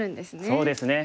そうですね